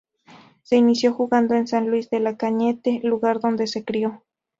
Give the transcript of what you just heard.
Se inició jugando en San Luis de Cañete, lugar donde se crio.